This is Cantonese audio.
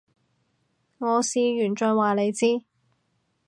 我試完再話你知